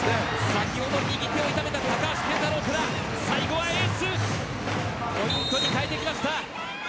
先ほど右手を痛めた高橋健太郎から最後は、エースがポイントに変えてきました。